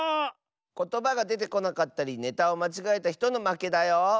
ことばがでてこなかったりネタをまちがえたひとのまけだよ！